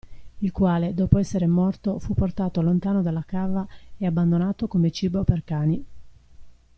Il quale dopo essere morto fu portato lontano dalla cava e abbandonato come cibo per cani.